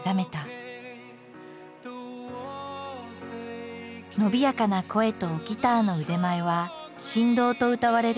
伸びやかな声とギターの腕前は神童とうたわれるほどだった。